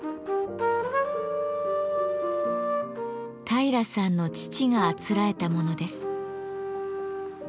平良さんの父があつらえたものです。